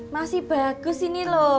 masih bagus ini loh